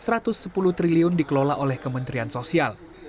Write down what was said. rp satu ratus sepuluh triliun dikelola oleh kementerian sosial